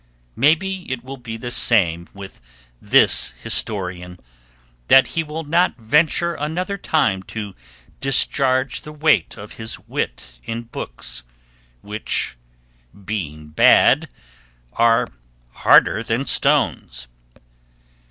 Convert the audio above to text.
Maybe it will be the same with this historian; that he will not venture another time to discharge the weight of his wit in books, which, being bad, are harder than stones.